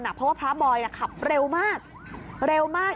เพราะว่าพระบอยขับเร็วมากเร็วมาก